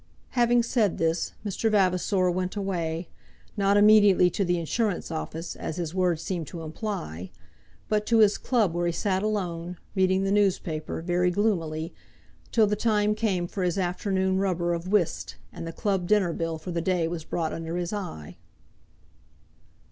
Having said this, Mr. Vavasor went away, not immediately to the insurance office, as his words seemed to imply, but to his club where he sat alone, reading the newspaper, very gloomily, till the time came for his afternoon rubber of whist, and the club dinner bill for the day was brought under his eye.